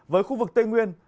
với khu vực tây nguyên